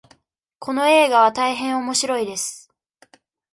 この映画は大変おもしろいです。